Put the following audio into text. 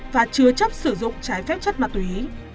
và chứa chấp sử dụng trái phép chất ma túy